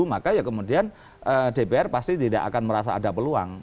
maka ya kemudian dpr pasti tidak akan merasa ada peluang